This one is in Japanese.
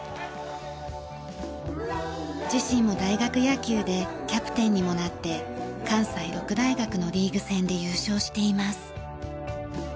自身も大学野球でキャプテンにもなって関西六大学のリーグ戦で優勝しています。